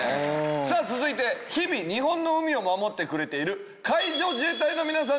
さあ続いて日々日本の海を守ってくれている海上自衛隊の皆さんです。